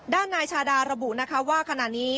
ด้านนายชาดาระบุนะคะว่าขณะนี้